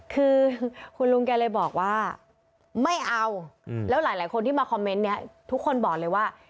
คือคุณลุงแกเลยบอกว่าไม่เอาแล้วหลายคนที่มาคอมเมนต์เนี่ยทุกคนบอกเลยว่า